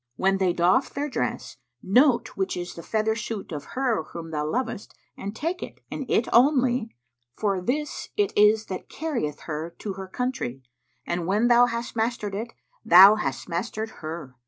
When they doff their dress note which is the feather suit of her whom thou lovest and take it, and it only, for this it is that carrieth her to her country, and when thou hast mastered it, thou hast mastered her.